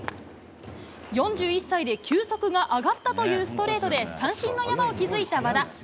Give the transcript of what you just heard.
４１歳で球速が上がったというストレートで、三振の山を築いた和田。